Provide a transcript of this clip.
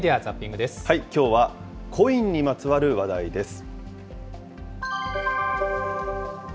きょうはコインにまつわる話題です。